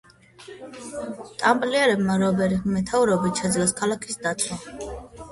ტამპლიერებმა რობერის მეთაურობით შეძლეს ქალაქის დაცვა.